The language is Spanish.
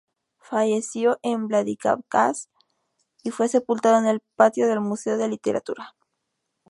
Falleció en Vladikavkaz y fue sepultado en el patio del Museo de Literatura.